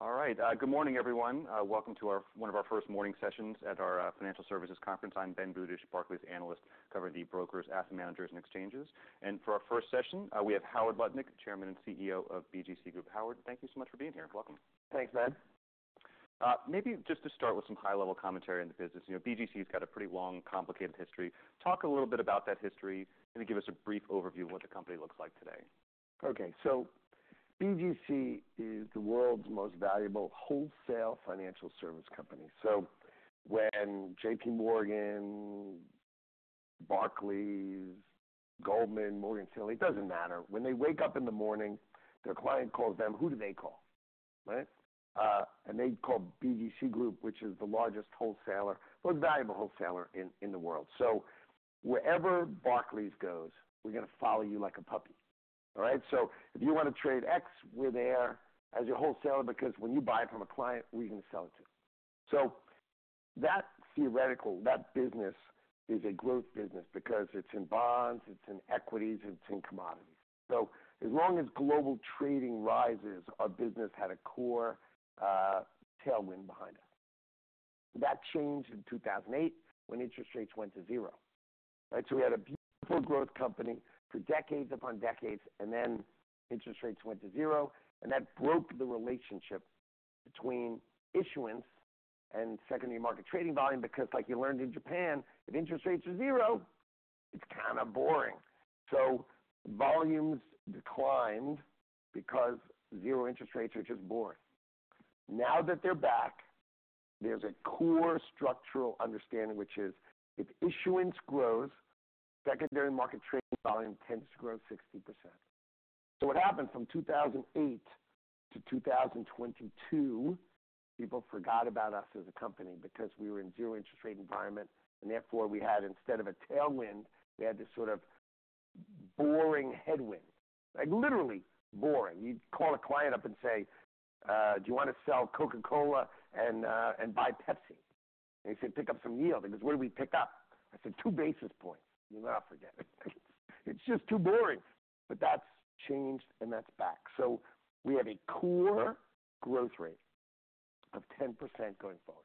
All right, good morning, everyone. Welcome to our, one of our first morning sessions at our, financial services conference. I'm Ben Budish, Barclays Analyst, covering the brokers, asset managers and exchanges. And for our first session, we have Howard Lutnick, Chairman and CEO of BGC Group. Howard, thank you so much for being here. Welcome. Thanks, Ben. Maybe just to start with some high-level commentary on the business. You know, BGC's got a pretty long, complicated history. Talk a little bit about that history, and give us a brief overview of what the company looks like today. Okay, so BGC is the world's most valuable wholesale financial service company. So when J.P. Morgan, Barclays, Goldman, Morgan Stanley, it doesn't matter. When they wake up in the morning, their client calls them. Who do they call, right? And they call BGC Group, which is the largest wholesaler, most valuable wholesaler in the world. So wherever Barclays goes, we're going to follow you like a puppy, all right? So if you want to trade X, we're there as your wholesaler, because when you buy from a client, we can sell it to you. So that theoretical, that business is a growth business because it's in bonds, it's in equities, it's in commodities. So as long as global trading rises, our business had a core tailwind behind us. That changed in two thousand and eight, when interest rates went to zero, right? We had a beautiful growth company for decades upon decades, and then interest rates went to zero, and that broke the relationship between issuance and secondary market trading volume. Because like you learned in Japan, if interest rates are zero, it's kind of boring. So volumes declined because zero interest rates are just boring. Now that they're back, there's a core structural understanding, which is, if issuance grows, secondary market trade volume tends to grow 60%. So what happened from 2008 to 2022, people forgot about us as a company because we were in zero interest rate environment, and therefore we had, instead of a tailwind, we had this sort of boring headwind, like literally boring. You'd call a client up and say, "Do you want to sell Coca-Cola and buy Pepsi?" And he said, "Pick up some yield." He goes, "What do we pick up?" I said, "2 basis points." He went, "I'll forget it." It's just too boring, but that's changed and that's back, so we have a core growth rate of 10% going forward.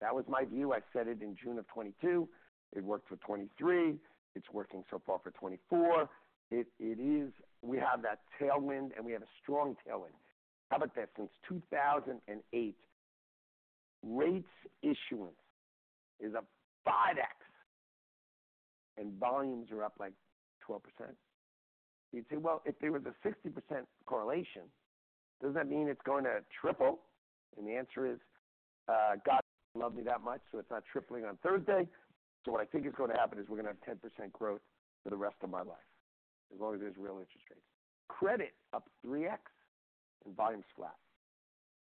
That was my view. I said it in June of 2022. It worked for 2023. It's working so far for 2024. It is. We have that tailwind, and we have a strong tailwind. How about this? Since 2008, rates issuance is up 5x, and volumes are up, like, 12%. You'd say, "Well, if they were the 60% correlation, does that mean it's going to triple?" And the answer is, God doesn't love me that much, so it's not tripling on Thursday. So what I think is going to happen is we're going to have 10% growth for the rest of my life, as long as there's real interest rates. Credit up 3x, and volume's flat.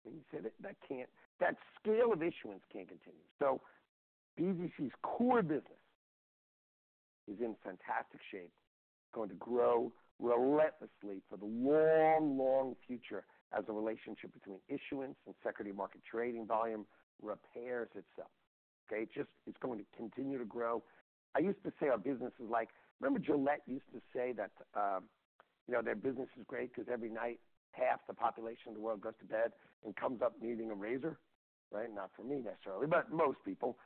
And you said it, that scale of issuance can't continue. So BGC's core business is in fantastic shape, going to grow relentlessly for the long, long future as the relationship between issuance and secondary market trading volume repairs itself. Okay, just, it's going to continue to grow. I used to say our business is like. Remember Gillette used to say that, you know, their business is great because every night, half the population of the world goes to bed and comes up needing a razor, right? Not for me necessarily, but most people.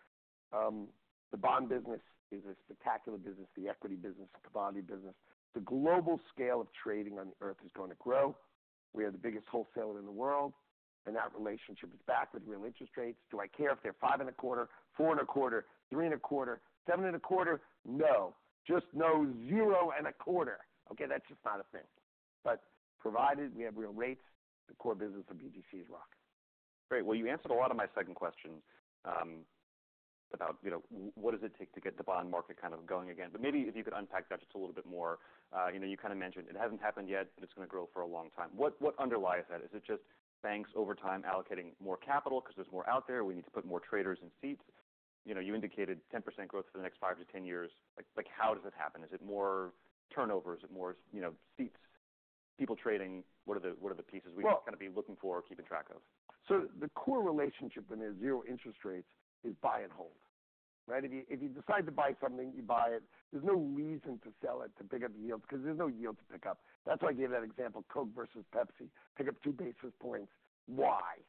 The bond business is a spectacular business. The equity business, the commodity business, the global scale of trading on Earth is going to grow. We are the biggest wholesaler in the world, and that relationship is back with real interest rates. Do I care if they're five and a quarter, four and a quarter, three and a quarter, seven and a quarter? No. Just know zero and a quarter. Okay, that's just not a thing, but provided we have real rates, the core business for BGC is rocking. Great! Well, you answered a lot of my second question about you know what does it take to get the bond market kind of going again? But maybe if you could unpack that just a little bit more. You know you kind of mentioned it hasn't happened yet but it's going to grow for a long time. What underlies that? Is it just banks over time allocating more capital because there's more out there we need to put more traders in seats? You know you indicated 10% growth for the next five to 10 years. Like how does it happen? Is it more turnover? Is it more you know seats people trading? What are the pieces- Well- We should kind of be looking for or keeping track of? So the core relationship when there's zero interest rates is buy and hold, right? If you decide to buy something, you buy it. There's no reason to sell it, to pick up the yields, because there's no yield to pick up. That's why I gave that example, Coke versus Pepsi. Pick up 2 basis points. Why?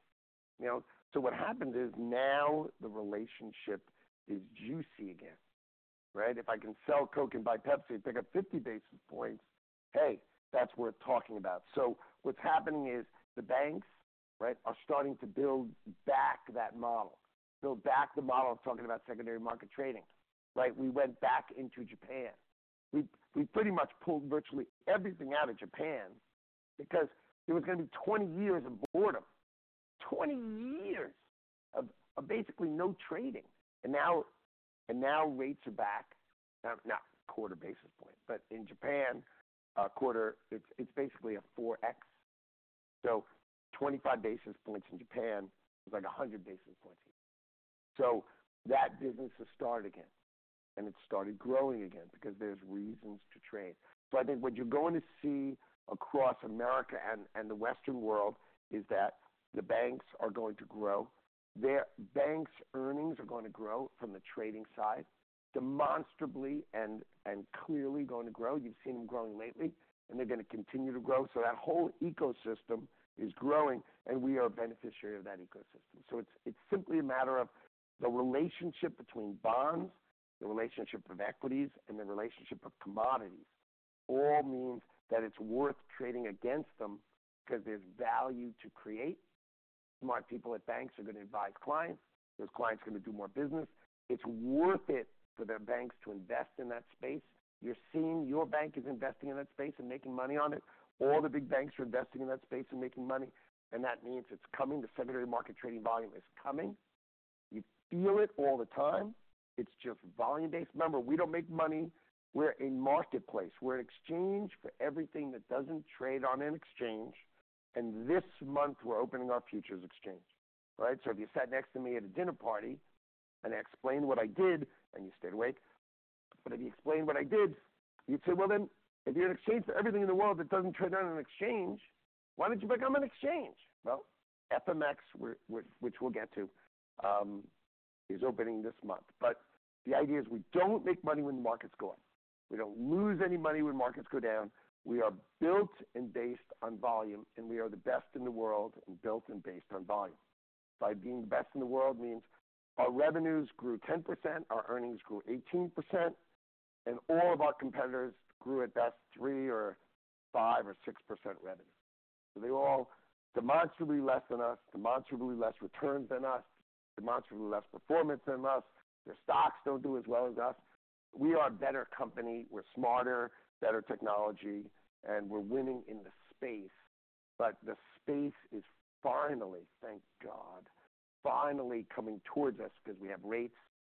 You know? So what happens is, now the relationship is juicy again, right? If I can sell Coke and buy Pepsi, and pick up 50 basis points, hey, that's worth talking about. So what's happening is the banks, right, are starting to build back that model. Build back the model of talking about secondary market trading, right? We went back into Japan. We pretty much pulled virtually everything out of Japan because it was going to be 20 years of boredom. 20 years of basically no trading. And now rates are back, not a quarter basis point. But in Japan, a quarter, it's basically a 4x. So 25 basis points in Japan is like 100 basis points here. So that business has started again, and it's started growing again because there's reasons to trade. So I think what you're going to see across America and the Western world is that the banks are going to grow. Their banks' earnings are going to grow from the trading side, demonstrably and clearly going to grow. You've seen them growing lately, and they're going to continue to grow. So that whole ecosystem is growing, and we are a beneficiary of that ecosystem. So it's simply a matter of the relationship between bonds, the relationship of equities, and the relationship of commodities all means that it's worth trading against them because there's value to create. Smart people at banks are going to advise clients. Those clients are going to do more business. It's worth it for their banks to invest in that space. You're seeing your bank is investing in that space and making money on it. All the big banks are investing in that space and making money, and that means it's coming. The secondary market trading volume is coming. You feel it all the time. It's just volume-based. Remember, we don't make money. We're a marketplace. We're an exchange for everything that doesn't trade on an exchange, and this month, we're opening our futures exchange, right? So if you sat next to me at a dinner party, and I explained what I did, and you stayed awake, but if you explained what I did, you'd say, "Well, then, if you're an exchange for everything in the world that doesn't trade on an exchange, why don't you become an exchange?" Well, FMX, which we'll get to, is opening this month. But the idea is we don't make money when the markets go up. We don't lose any money when markets go down. We are built and based on volume, and we are the best in the world and built and based on volume. By being the best in the world means our revenues grew 10%, our earnings grew 18%, and all of our competitors grew at best 3% or 5% or 6% revenue. So they all demonstrably less than us, demonstrably less returns than us, demonstrably less performance than us. Their stocks don't do as well as us. We are a better company. We're smarter, better technology, and we're winning in the space, but the space is finally, thank God, finally coming towards us because we have rates.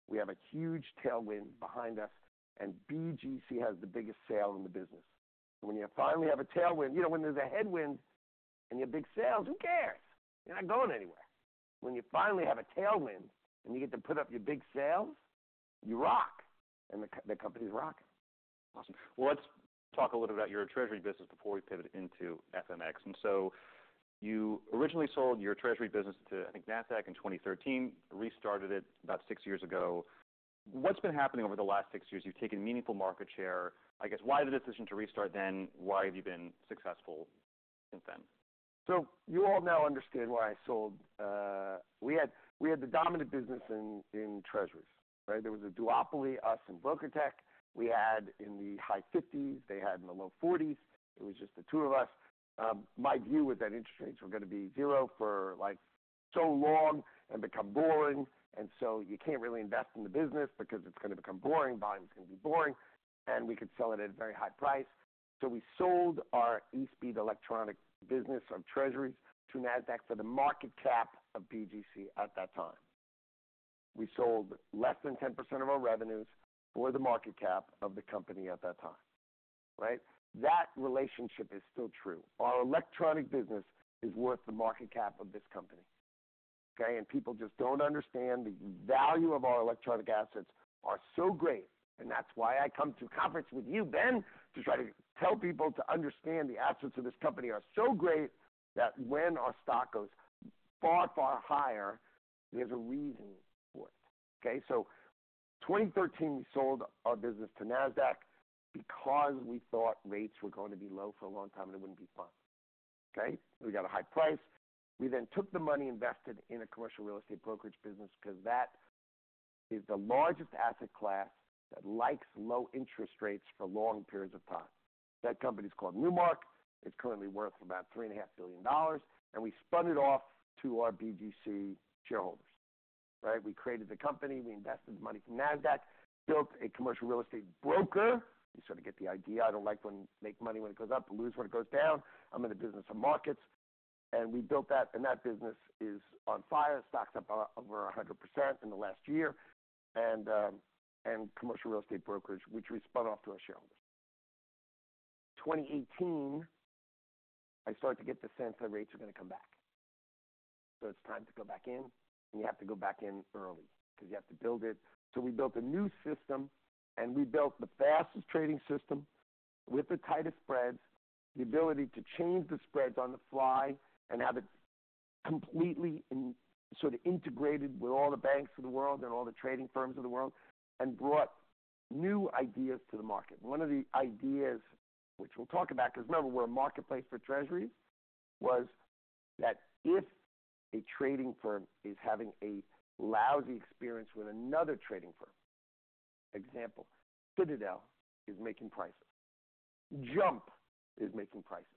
We have a huge tailwind behind us, and BGC has the biggest sail in the business. When you finally have a tailwind, you know, when there's a headwind and you have big sails, who cares? You're not going anywhere. When you finally have a tailwind and you get to put up your big sails, you rock, and the company's rocking. Awesome. Well, let's talk a little about your Treasury business before we pivot into FMX. And so you originally sold your Treasury business to, I think, Nasdaq in 2013, restarted it about six years ago. What's been happening over the last six years? You've taken meaningful market share. I guess, why the decision to restart then? Why have you been successful since then? So you all now understand why I sold. We had, we had the dominant business in, in Treasuries, right? There was a duopoly, us and BrokerTec. We had in the high fifties, they had in the low forties. It was just the two of us. My view was that interest rates were going to be zero for, like, so long and become boring. And so you can't really invest in the business because it's going to become boring, volumes going to be boring, and we could sell it at a very high price. So we sold our eSpeed electronic business of Treasuries to Nasdaq for the market cap of BGC at that time. We sold less than 10% of our revenues for the market cap of the company at that time, right? That relationship is still true. Our electronic business is worth the market cap of this company, okay? And people just don't understand the value of our electronic assets are so great, and that's why I come to conference with you, Ben, to try to tell people to understand the assets of this company are so great that when our stock goes far, far higher, there's a reason for it, okay? So 2013, we sold our business to Nasdaq because we thought rates were going to be low for a long time, and it wouldn't be fun, okay? We got a high price. We then took the money invested in a commercial real estate brokerage business because that is the largest asset class that likes low interest rates for long periods of time. That company is called Newmark. It's currently worth about $3.5 billion, and we spun it off to our BGC shareholders, right? We created the company. We invested the money from Nasdaq, built a commercial real estate broker. You sort of get the idea. I don't like when make money when it goes up and lose when it goes down. I'm in the business of markets, and we built that, and that business is on fire. Stock's up over 100% in the last year, and commercial real estate brokerage, which we spun off to our shareholders. 2018, I started to get the sense that rates are going to come back. So it's time to go back in, and you have to go back in early because you have to build it. So we built a new system, and we built the fastest trading system with the tightest spreads, the ability to change the spreads on the fly and have it completely in sort of integrated with all the banks of the world and all the trading firms of the world, and brought new ideas to the market. One of the ideas which we'll talk about, because remember, we're a marketplace for Treasuries, was that if a trading firm is having a lousy experience with another trading firm. Example, Citadel is making prices. Jump is making prices,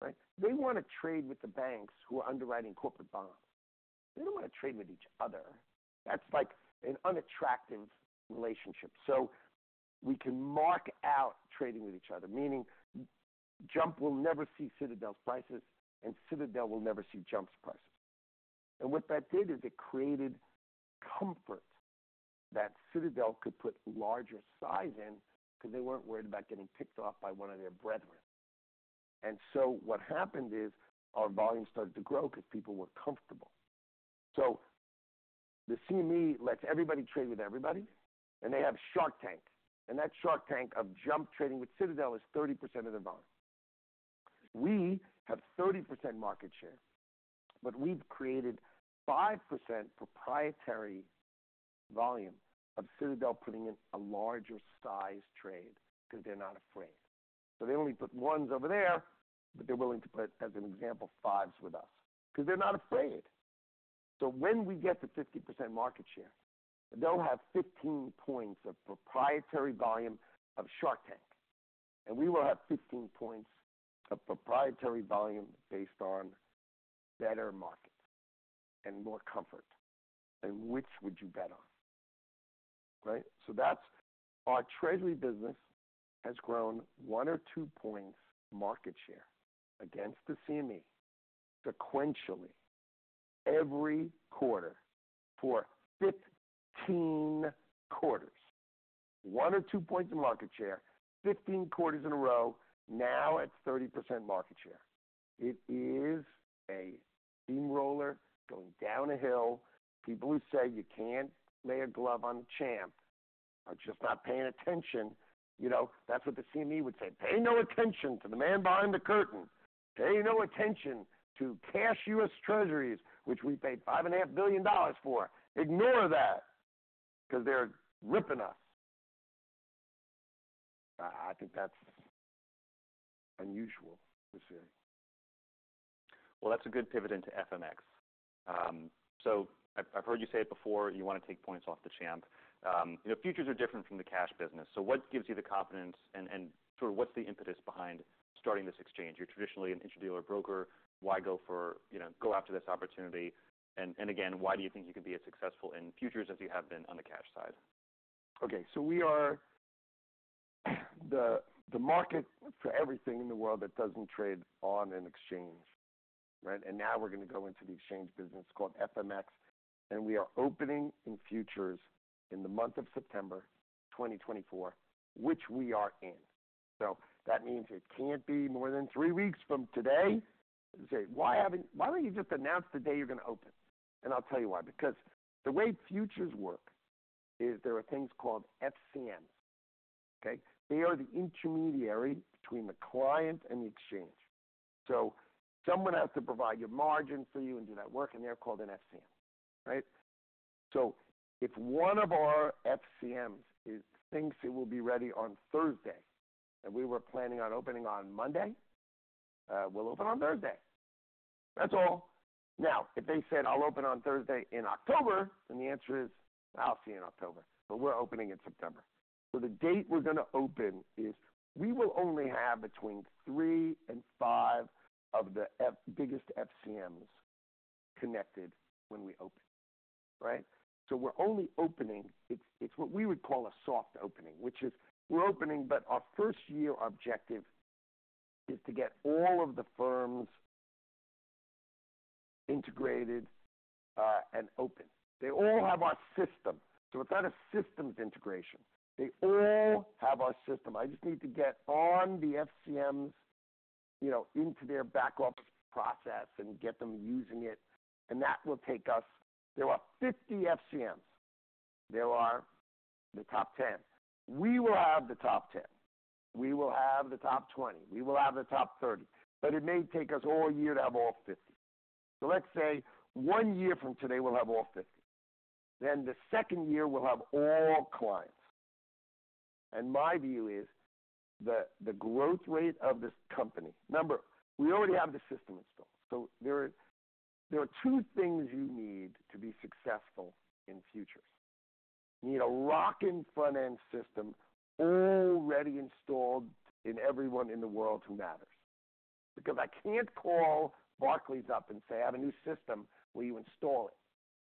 right? They want to trade with the banks who are underwriting corporate bonds. They don't want to trade with each other. That's like an unattractive relationship. So we can opt out trading with each other, meaning Jump will never see Citadel's prices, and Citadel will never see Jump's prices. And what that did is it created comfort that Citadel could put larger size in because they weren't worried about getting picked off by one of their brethren. And so what happened is our volume started to grow because people were comfortable. The CME lets everybody trade with everybody, and they have Shark Tank, and that Shark Tank of Jump Trading with Citadel is 30% of their volume. We have 30% market share, but we've created 5% proprietary volume of Citadel putting in a larger size trade because they're not afraid. So they only put ones over there, but they're willing to put, as an example, fives with us, because they're not afraid. So when we get to 50% market share, they'll have 15 points of proprietary volume of Shark Tank, and we will have 15 points of proprietary volume based on better markets and more comfort. And which would you bet on? Right. Our Treasury business has grown one or two points market share against the CME sequentially every quarter for 15 quarters, one or two points in market share, 15 quarters in a row, now at 30% market share. It is a steamroller going down a hill. People who say you can't lay a glove on the champ are just not paying attention. You know, that's what the CME would say: "Pay no attention to the man behind the curtain. Pay no attention to cash U.S. Treasuries, which we paid $5.5 billion for. Ignore that, because they're ripping us." I, I think that's unusual this year. That's a good pivot into FMX. So I've heard you say it before, you want to take points off the champ. You know, futures are different from the cash business. So what gives you the confidence and sort of what's the impetus behind starting this exchange? You're traditionally an interdealer broker. Why go for, you know, go after this opportunity? And again, why do you think you can be as successful in futures as you have been on the cash side? Okay, so we are the market for everything in the world that doesn't trade on an exchange, right? And now we're going to go into the exchange business called FMX, and we are opening in futures in the month of September 2024, which we are in. So that means it can't be more than three weeks from today. You say, "Why don't you just announce the day you're going to open?" And I'll tell you why. Because the way futures work is there are things called FCMs, okay? They are the intermediary between the client and the exchange. So someone has to provide your margin for you and do that work, and they're called an FCM, right? So if one of our FCMs thinks it will be ready on Thursday, and we were planning on opening on Monday, we'll open on Thursday. That's all. Now, if they said, "I'll open on Thursday in October," then the answer is, "I'll see you in October," but we're opening in September. So the date we're going to open is. We will only have between three and five of the five biggest FCMs connected when we open, right? So we're only opening. It's what we would call a soft opening, which is we're opening, but our first-year objective is to get all of the firms integrated and open. They all have our system, so it's not a systems integration. They all have our system. I just need to get on the FCMs, you know, into their backup process and get them using it, and that will take us. There are 50 FCMs. There are the top 10. We will have the top 10. We will have the top 20. We will have the top thirty, but it may take us all year to have all fifty. So let's say one year from today, we'll have all fifty. Then the second year, we'll have all clients. And my view is that the growth rate of this company. Number, we already have the system installed. So there are two things you need to be successful in futures. You need a rocking front-end system already installed in everyone in the world who matters. Because I can't call Barclays up and say, "I have a new system. Will you install it?"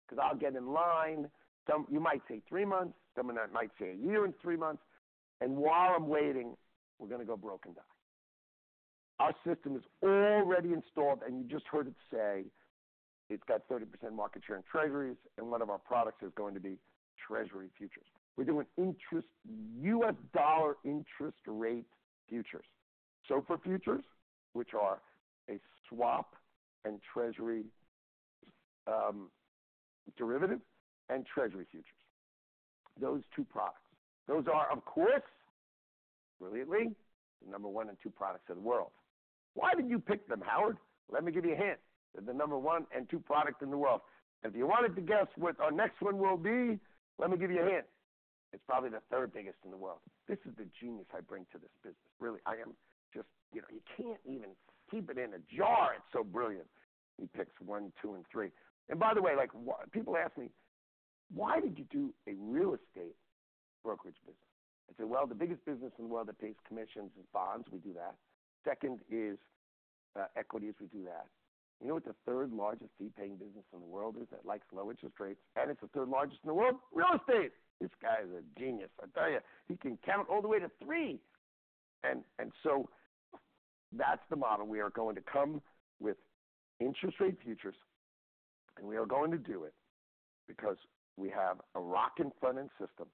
Because I'll get in line. Someone might say three months, someone might say a year and three months, and while I'm waiting, we're going to go broke and die. Our system is already installed, and you just heard it say it's got 30% market share in Treasuries, and one of our products is going to be Treasury futures. We're doing interest, U.S. dollar interest rate futures. So for futures, which are a swap and Treasury, derivative and Treasury futures, those two products, those are, of course, brilliantly, the number one and two products in the world. Why did you pick them, Howard? Let me give you a hint. They're the number one and two product in the world. If you wanted to guess what our next one will be, let me give you a hint. It's probably the third biggest in the world. This is the genius I bring to this business. Really, I am just. You know, you can't even keep it in a jar, it's so brilliant. He picks one, two, and three. And by the way, like, why people ask me, "Why did you do a real estate brokerage business?" I said, "Well, the biggest business in the world that pays commissions is bonds. We do that. Second is equities. We do that." You know what the third largest fee-paying business in the world is that likes low interest rates, and it's the third largest in the world? Real estate! This guy is a genius. I tell you, he can count all the way to three. And so that's the model. We are going to come with interest rate futures, and we are going to do it because we have a rocking front-end system.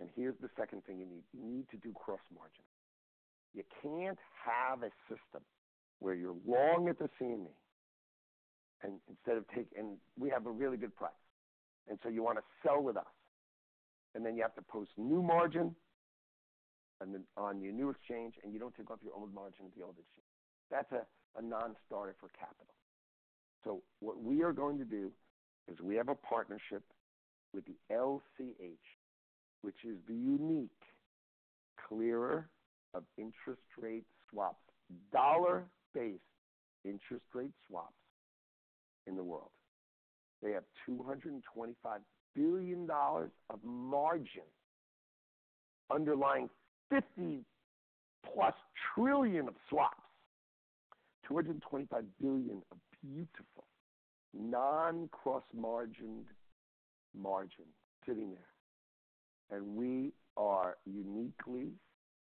And here's the second thing you need. You need to do cross margin.... You can't have a system where you're long at the CME, and instead of taking, and we have a really good price, and so you wanna sell with us, and then you have to post new margin and then on your new exchange, and you don't take off your old margin at the old exchange. That's a non-starter for capital. So what we are going to do is we have a partnership with the LCH, which is the unique clearer of interest rate swaps, dollar-based interest rate swaps in the world. They have $225 billion of margin underlying 50+ trillion of swaps. $225 billion of beautiful non-cross-margined margin sitting there, and we are uniquely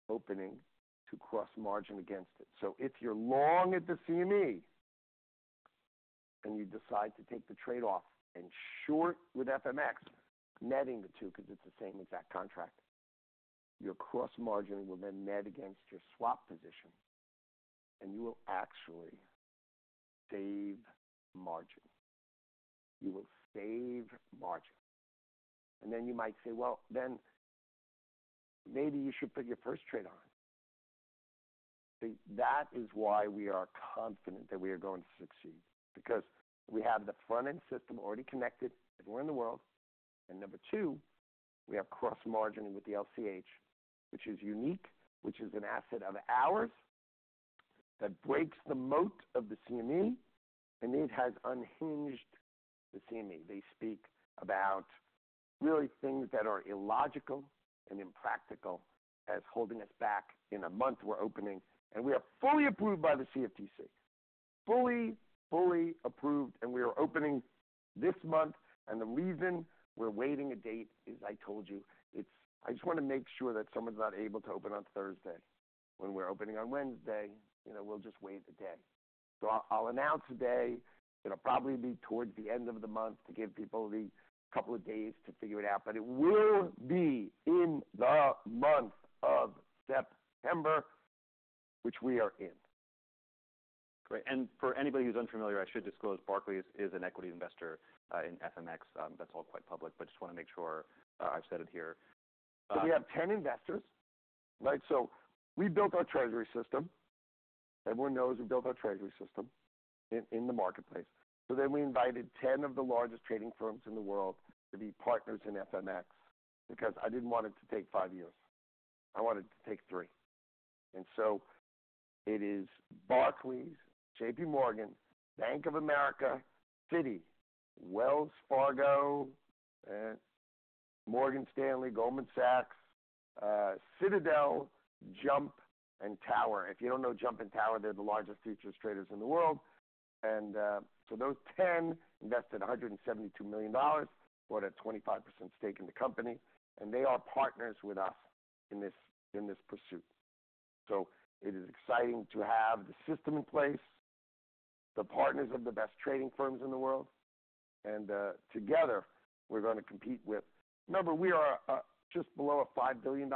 opening to cross margin against it. So if you're long at the CME, and you decide to take the trade off and short with FMX, netting the two, because it's the same exact contract, your cross margin will then net against your swap position, and you will actually save margin. You will save margin. And then you might say, "Well, then maybe you should put your first trade on." See, that is why we are confident that we are going to succeed, because we have the front-end system already connected everywhere in the world. And number two, we have cross margining with the LCH, which is unique, which is an asset of ours that breaks the moat of the CME, and it has unhinged the CME. They speak about really things that are illogical and impractical as holding us back. In a month, we're opening, and we are fully approved by the CFTC. Fully, fully approved, and we are opening this month, and the reason we're waiting a date is, I told you, it's... I just wanna make sure that someone's not able to open on Thursday when we're opening on Wednesday. You know, we'll just wait a day. So I'll, I'll announce a day. It'll probably be towards the end of the month to give people the couple of days to figure it out, but it will be in the month of September, which we are in. Great, and for anybody who's unfamiliar, I should disclose, Barclays is an equity investor in FMX. That's all quite public, but just wanna make sure I've said it here. So we have 10 investors, right? So we built our Treasury system. Everyone knows we built our Treasury system in the marketplace. So then we invited 10 of the largest trading firms in the world to be partners in FMX, because I didn't want it to take 5 years. I wanted it to take 3. And so it is Barclays, J.P. Morgan, Bank of America, Citi, Wells Fargo, Morgan Stanley, Goldman Sachs, Citadel, Jump, and Tower. If you don't know Jump and Tower, they're the largest futures traders in the world. And so those 10 invested $172 million for a 25% stake in the company, and they are partners with us in this pursuit. So it is exciting to have the system in place, the partners of the best trading firms in the world, and together, we're gonna compete with... Remember, we are just below a $5 billion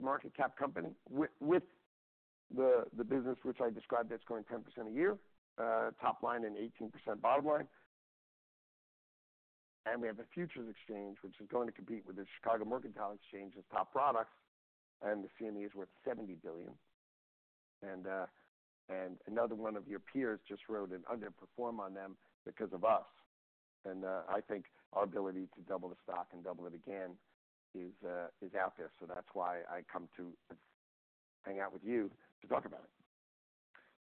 market cap company with the business which I described, that's growing 10% a year, top line and 18% bottom line. And we have a futures exchange, which is going to compete with the Chicago Mercantile Exchange's top products, and the CME is worth $70 billion. And another one of your peers just wrote an underperform on them because of us. And I think our ability to double the stock and double it again is out there. So that's why I come to hang out with you to talk about it.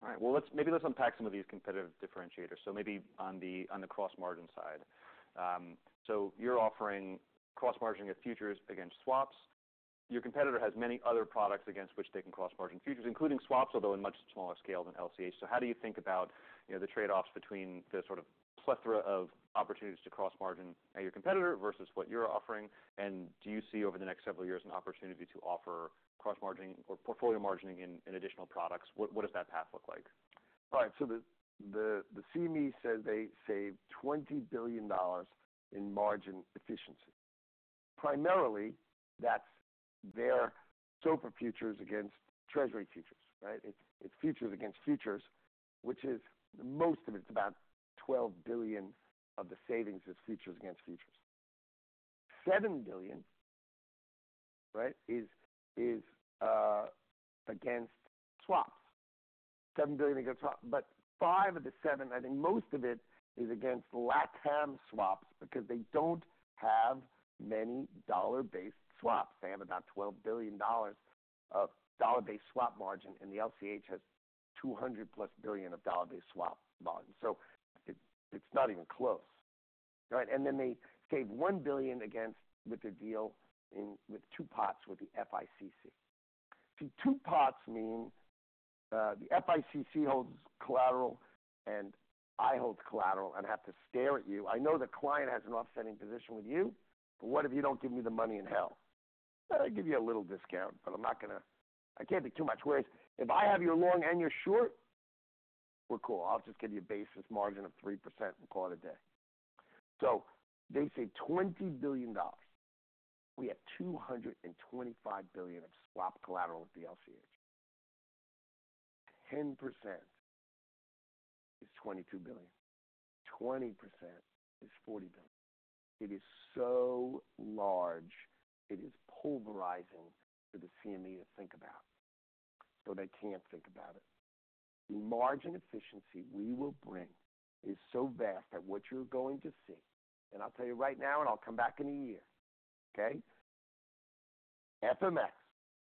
All right, well, let's maybe unpack some of these competitive differentiators, so maybe on the cross-margin side. So you're offering cross margining of futures against swaps. Your competitor has many other products against which they can cross margin futures, including swaps, although in much smaller scale than LCH. So how do you think about, you know, the trade-offs between the sort of plethora of opportunities to cross margin at your competitor versus what you're offering? And do you see, over the next several years, an opportunity to offer cross margining or portfolio margining in additional products? What does that path look like? All right. So the CME said they saved $20 billion in margin efficiency. Primarily, that's their SOFR futures against Treasury futures, right? It's futures against futures, which is... Most of it, it's about $12 billion of the savings is futures against futures. $7 billion, right, is against swaps. $7 billion against swaps, but 5 of the 7, I think most of it is against LatAm swaps, because they don't have many dollar-based swaps. They have about $12 billion of dollar-based swap margin, and the LCH has 200-plus billion of dollar-based swap margin. So it's not even close, right? And then they saved $1 billion against with their deal with two pots with the FICC. See, two pots mean the FICC holds collateral, and I hold collateral and have to stare at you. I know the client has an offsetting position with you, but what if you don't give me the money in full? I'll give you a little discount, but I'm not gonna... I can't be too much. Whereas if I have your long and your short... We're cool. I'll just give you a basis margin of 3% and call it a day. So they say $20 billion. We have $225 billion of swap collateral at the LCH. 10% is $22 billion. 20% is $40 billion. It is so large, it is pulverizing for the CME to think about, so they can't think about it. The margin efficiency we will bring is so vast that what you're going to see, and I'll tell you right now, and I'll come back in a year, okay? FMX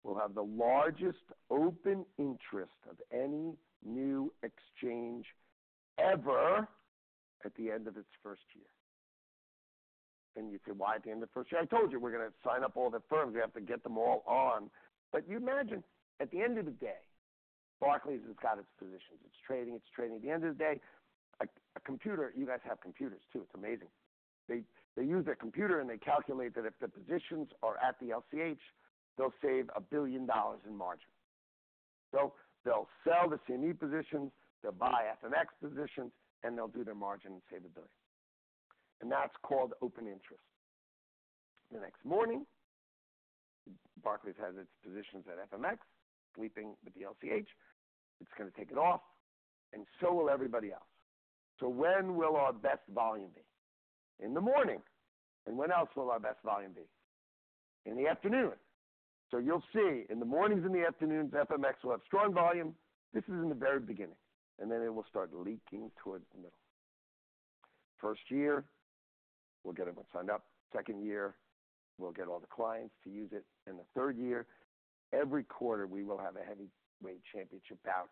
will have the largest open interest of any new exchange ever, at the end of its first year. And you say, "Why at the end of the first year?" I told you, we're gonna sign up all the firms. We have to get them all on. But you imagine, at the end of the day, Barclays has got its positions, it's trading, it's trading. At the end of the day, a computer. You guys have computers, too, it's amazing. They use their computer, and they calculate that if the positions are at the LCH, they'll save $1 billion in margin. So they'll sell the CME positions, they'll buy FMX positions, and they'll do their margin and save $1 billion. And that's called open interest. The next morning, Barclays has its positions at FMX, sweeping to the LCH. It's gonna take it off, and so will everybody else. So when will our best volume be? In the morning. And when else will our best volume be? In the afternoon. So you'll see, in the mornings and the afternoons, FMX will have strong volume. This is in the very beginning, and then it will start leaking towards the middle. First year, we'll get everyone signed up. Second year, we'll get all the clients to use it, and the third year, every quarter, we will have a heavyweight championship bout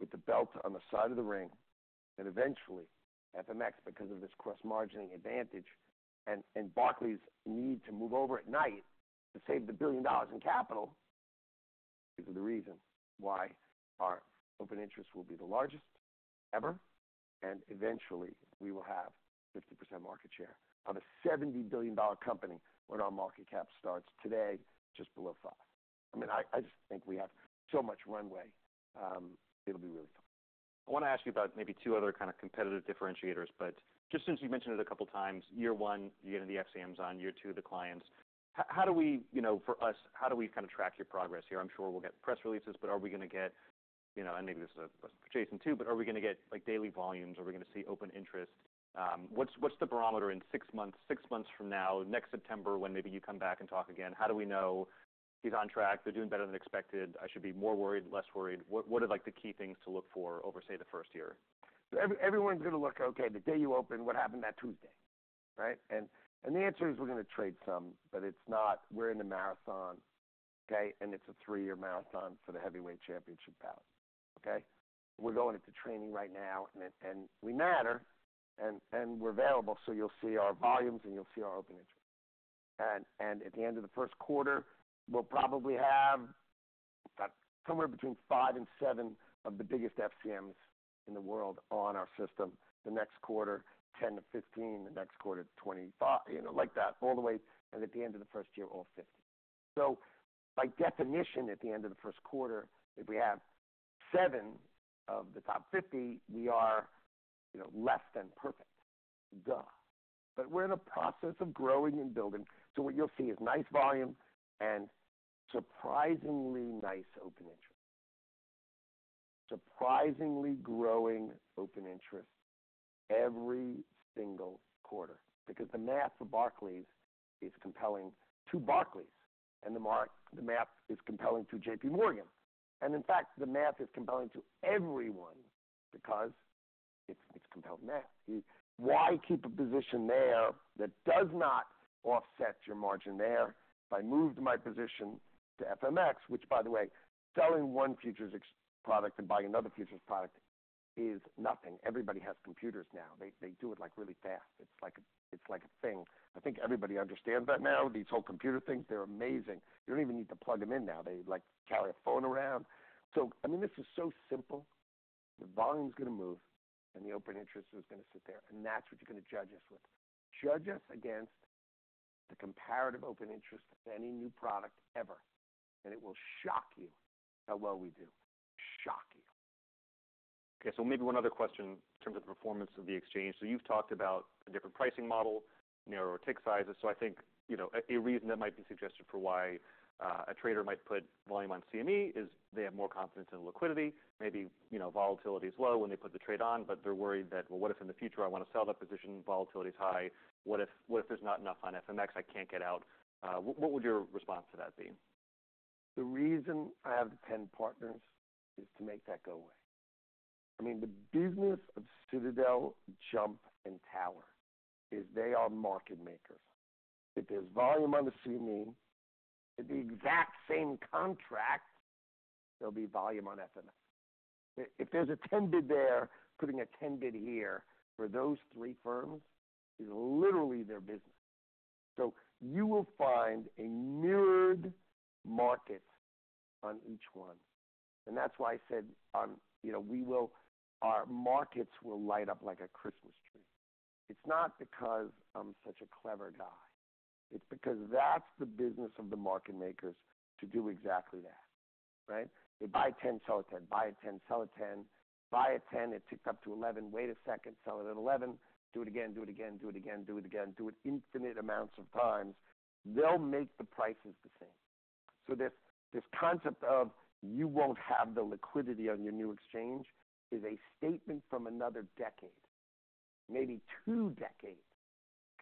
with the belt on the side of the ring. And eventually, FMX, because of this cross-margining advantage and Barclays' need to move over at night to save $1 billion in capital, these are the reasons why our open interest will be the largest ever, and eventually, we will have 50% market share of a $70 billion company, when our market cap starts today, just below $5 billion. I mean, I just think we have so much runway. It'll be really fun. I want to ask you about maybe two other kind of competitive differentiators, but just since you've mentioned it a couple of times, year one, you're getting the FCMs on, year two, the clients. How do we, you know, for us, how do we kind of track your progress here? I'm sure we'll get press releases, but are we gonna get, you know, and maybe this is adjacent, too, but are we gonna get, like, daily volumes? Are we gonna see open interest? What's the barometer in six months, six months from now, next September, when maybe you come back and talk again? How do we know he's on track, they're doing better than expected, I should be more worried, less worried? What are, like, the key things to look for over, say, the first year? So everyone's gonna look, okay, the day you open, what happened that Tuesday, right? And the answer is, we're gonna trade some, but it's not. We're in a marathon, okay, and it's a three-year marathon for the heavyweight championship bout, okay? We're going into training right now, and we matter, and we're available, so you'll see our volumes, and you'll see our open interest. And at the end of the first quarter, we'll probably have about somewhere between 5 and 7 of the biggest FCMs in the world on our system. The next quarter, 10 to 15, the next quarter, 25, you know, like that, all the way and at the end of the first year, all 50. So by definition, at the end of the first quarter, if we have 7 of the top 50, we are, you know, less than perfect. Duh! But we're in the process of growing and building, so what you'll see is nice volume and surprisingly nice open interest. Surprisingly growing open interest every single quarter, because the math for Barclays is compelling to Barclays, and the math is compelling to J.P. Morgan. And in fact, the math is compelling to everyone because it's, it's compelling math. Why keep a position there that does not offset your margin there? If I moved my position to FMX, which, by the way, selling one futures product and buying another futures product is nothing. Everybody has computers now. They, they do it, like, really fast. It's like a, it's like a thing. I think everybody understands that now. These whole computer things, they're amazing. You don't even need to plug them in now. They, like, carry a phone around. So, I mean, this is so simple. The volume's gonna move, and the open interest is gonna sit there, and that's what you're gonna judge us with. Judge us against the comparative open interest of any new product ever, and it will shock you how well we do. Shock you. Okay, so maybe one other question in terms of the performance of the exchange. So you've talked about a different pricing model, narrower tick sizes. So I think, you know, a reason that might be suggested for why a trader might put volume on CME is they have more confidence in the liquidity, maybe, you know, volatility is low when they put the trade on, but they're worried that, well, what if in the future I want to sell that position, volatility is high? What if, what if there's not enough on FMX, I can't get out? What would your response to that be? The reason I have 10 partners is to make that go away. I mean, the business of Citadel, Jump, and Tower is they are market makers. If there's volume on the CME, at the exact same contract, there'll be volume on FMX. If there's a 10 bid there, putting a 10 bid here for those three firms, is literally their business. So you will find a mirrored market on each one, and that's why I said, you know, we will-- Our markets will light up like a Christmas tree. It's not because I'm such a clever guy. It's because that's the business of the market makers to do exactly that, right? They buy 10, sell at 10, buy at 10, sell at 10. Buy at 10, it ticks up to 11, wait a second, sell it at 11. Do it again, do it again, do it again, do it again, do it infinite amounts of times. They'll make the prices the same. So this, this concept of you won't have the liquidity on your new exchange, is a statement from another decade, maybe two decades,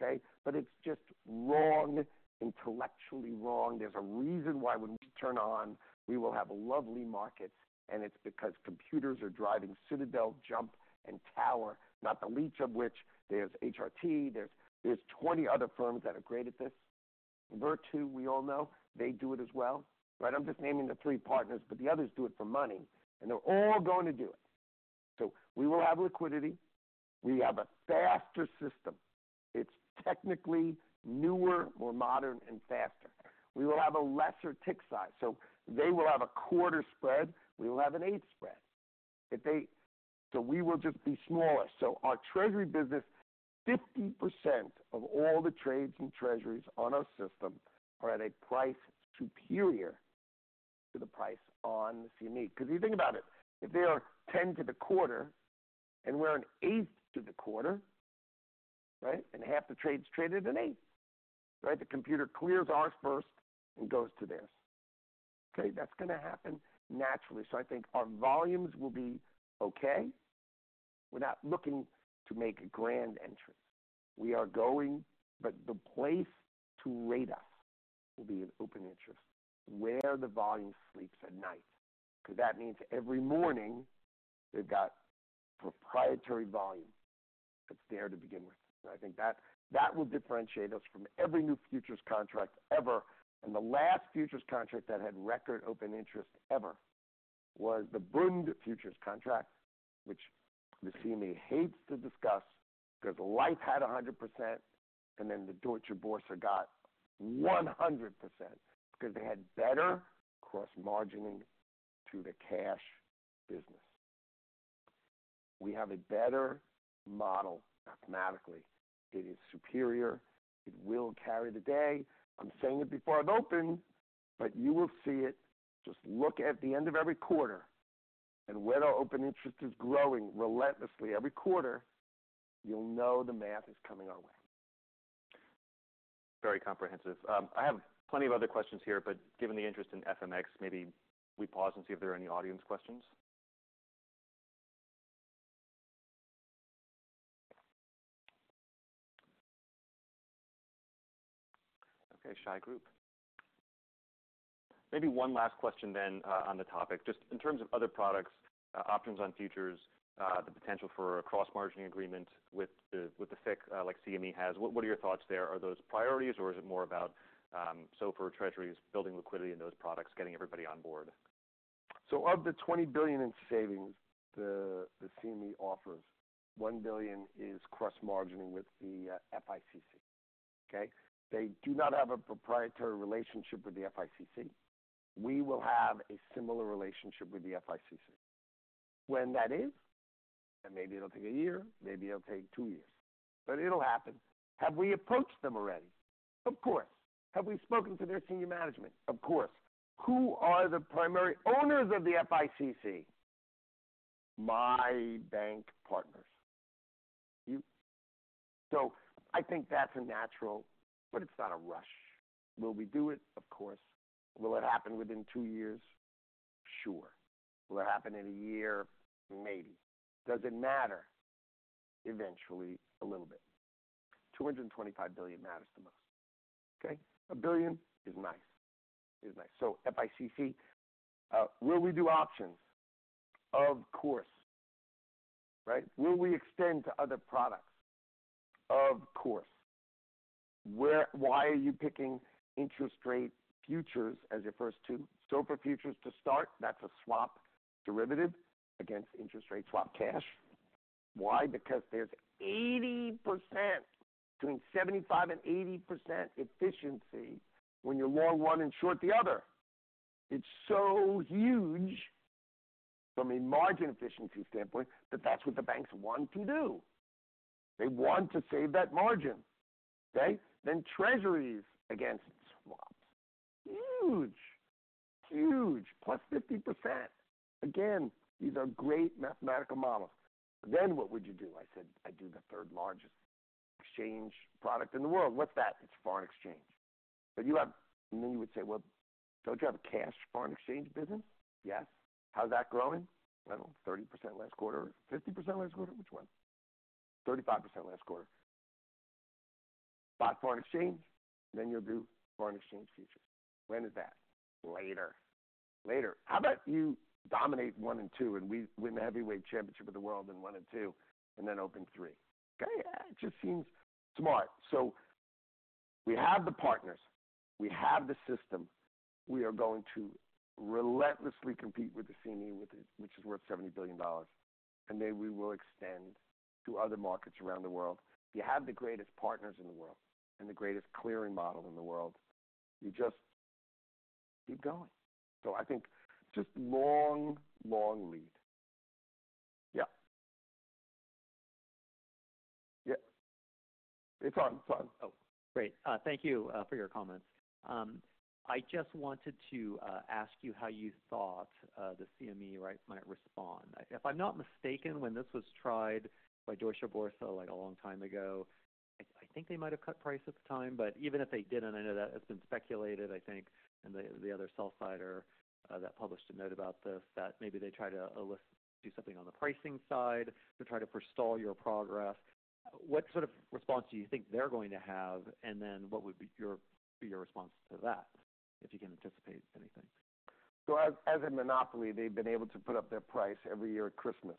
okay? But it's just wrong, intellectually wrong. There's a reason why when we turn on, we will have a lovely market, and it's because computers are driving Citadel, Jump, and Tower, not the least of which there's HRT, there's 20 other firms that are great at this. Virtu, we all know, they do it as well, right? I'm just naming the three partners, but the others do it for money, and they're all going to do it. So we will have liquidity. We have a faster system. It's technically newer, more modern and faster. We will have a lesser tick size, so they will have a quarter spread, we will have an eighth spread. If they. So we will just be smaller. So our treasury business, 50% of all the trades and treasuries on our system are at a price superior to the price on CME. Because if you think about it, if they are 10 to the quarter and we're an eighth to the quarter, right, and half the trades traded an eighth, right? The computer clears ours first and goes to theirs. Okay, that's going to happen naturally. So I think our volumes will be okay. We're not looking to make a grand entrance. We are going, but the place to rate us will be in open interest, where the volume sleeps at night, because that means every morning we've got proprietary volume that's there to begin with. I think that will differentiate us from every new futures contract ever, and the last futures contract that had record open interest ever was the Bund futures contract, which the CME hates to discuss, because LIFFE had 100%, and then the Deutsche Börse got 100% because they had better cross margining to the cash business. We have a better model mathematically. It is superior. It will carry the day. I'm saying it before I've opened, but you will see it. Just look at the end of every quarter and where our open interest is growing relentlessly every quarter, you'll know the math is coming our way. Very comprehensive. I have plenty of other questions here, but given the interest in FMX, maybe we pause and see if there are any audience questions. Okay, shy group. Maybe one last question then, on the topic, just in terms of other products, options on futures, the potential for a cross margining agreement with the, with the FICC, like CME has. What are your thoughts there? Are those priorities or is it more about, SOFR, Treasuries, building liquidity in those products, getting everybody on board? So of the $20 billion in savings, the CME offers, one billion is cross margining with the FICC, okay? They do not have a proprietary relationship with the FICC. We will have a similar relationship with the FICC. When that is, and maybe it'll take a year, maybe it'll take two years, but it'll happen. Have we approached them already? Of course. Have we spoken to their senior management? Of course. Who are the primary owners of the FICC? My bank partners. So I think that's a natural, but it's not a rush. Will we do it? Of course. Will it happen within two years? Sure. Will it happen in a year? Maybe. Does it matter? Eventually, a little bit. $225 billion matters the most, okay. A billion is nice. It is nice. So FICC, will we do options? Of course, right. Will we extend to other products? Of course. Where? Why are you picking interest rate futures as your first two SOFR futures to start? That's a swap derivative against interest rate, swap cash. Why? Because there's 80%, between 75% and 80% efficiency when you're long one and short the other. It's so huge from a margin efficiency standpoint, that that's what the banks want to do. They want to save that margin, okay? Then Treasuries against swaps. Huge! Huge +50%. Again, these are great mathematical models. Then what would you do? I said, "I'd do the third largest exchange product in the world." What's that? It's foreign exchange. So you have... And then you would say, "Well, don't you have a cash foreign exchange business?" Yes. How's that growing? I don't know, 30% last quarter, 50% last quarter? Which one? 35% last quarter. Spot foreign exchange, then you'll do foreign exchange futures. When is that? Later. Later. How about you dominate one and two, and we win the heavyweight championship of the world in one and two, and then open three, okay? It just seems smart. So we have the partners, we have the system. We are going to relentlessly compete with the CME, with the—which is worth $70 billion, and then we will extend to other markets around the world. You have the greatest partners in the world and the greatest clearing model in the world. You just... Keep going. So I think just long, long lead. Yeah. Yeah, it's on. Sorry. Oh, great. Thank you for your comments. I just wanted to ask you how you thought the CME, right, might respond. If I'm not mistaken, when this was tried by Deutsche Börse, like, a long time ago, I think they might have cut price at the time, but even if they didn't, I know that has been speculated, I think, and the other sell-sider that published a note about this, that maybe they try to elicit-- do something on the pricing side to try to forestall your progress. What sort of response do you think they're going to have? And then what would be your response to that, if you can anticipate anything? So as a monopoly, they've been able to put up their price every year at Christmas.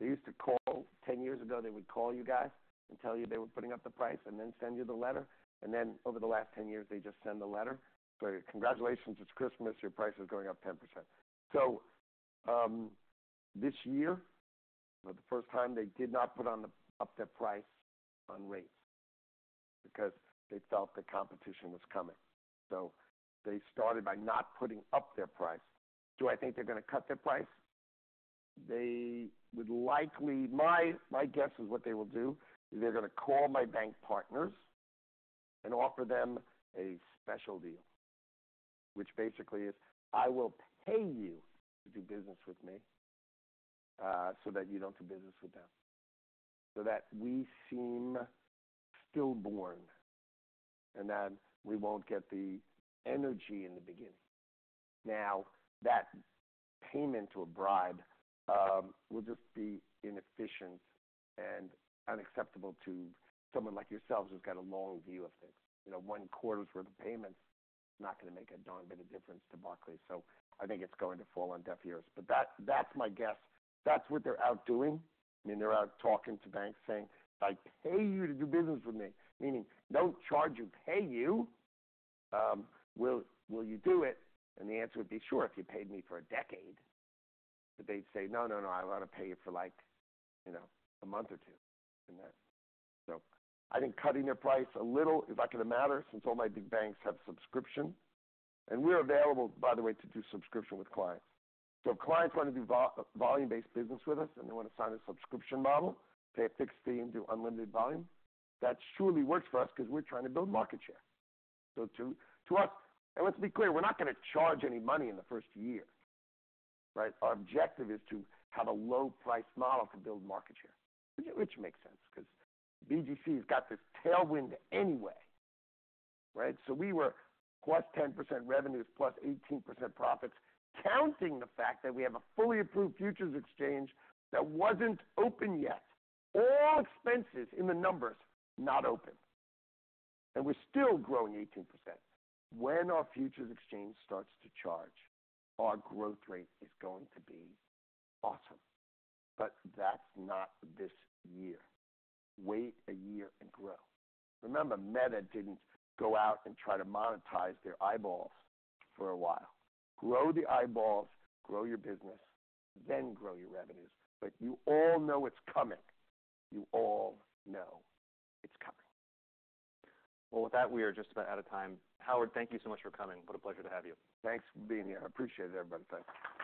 They used to call. Ten years ago, they would call you guys and tell you they were putting up the price and then send you the letter. And then over the last 10 years, they just send a letter. So congratulations, it's Christmas. Your price is going up 10%. So this year, for the first time, they did not put up their price on rates because they felt the competition was coming. So they started by not putting up their price. Do I think they're going to cut their price? They would likely... My guess is what they will do, is they're going to call my bank partners and offer them a special deal, which basically is, "I will pay you to do business with me, so that you don't do business with them." So that we seem stillborn, and then we won't get the energy in the beginning. Now, that payment or bribe, will just be inefficient and unacceptable to someone like yourselves, who's got a long view of things. You know, one quarter's worth of payments is not going to make a darn bit of difference to Barclays, so I think it's going to fall on deaf ears. But that, that's my guess. That's what they're out doing. I mean, they're out talking to banks saying, "I'd pay you to do business with me." Meaning, "No charge you, pay you, will you do it?" And the answer would be, "Sure, if you paid me for a decade." But they'd say, "No, no, no, I want to pay you for like, you know, a month or two," and that. So I think cutting their price a little is not going to matter, since all my big banks have subscription. And we're available, by the way, to do subscription with clients. So if clients want to do volume-based business with us, and they want to sign a subscription model, pay a fixed fee and do unlimited volume, that surely works for us because we're trying to build market share. So to us, and let's be clear, we're not going to charge any money in the first year, right? Our objective is to have a low price model to build market share, which makes sense because BGC has got this tailwind anyway, right? We were +10% revenues, +18% profits, counting the fact that we have a fully approved futures exchange that wasn't open yet. All expenses in the numbers, not open, and we're still growing 18%. When our futures exchange starts to charge, our growth rate is going to be awesome, but that's not this year. Wait a year and grow. Remember, Meta didn't go out and try to monetize their eyeballs for a while. Grow the eyeballs, grow your business, then grow your revenues. But you all know it's coming. You all know it's coming. With that, we are just about out of time. Howard, thank you so much for coming. What a pleasure to have you. Thanks for being here. I appreciate it, everybody. Thank you.